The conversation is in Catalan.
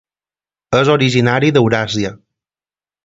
És originària d'Euràsia.